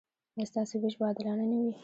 ایا ستاسو ویش به عادلانه نه وي؟